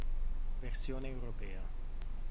Versione europea